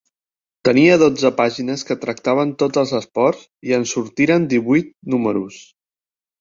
Tenia dotze pàgines que tractaven tots els esports i en sortiren divuit números.